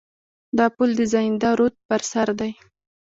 دا پل د زاینده رود پر سر دی.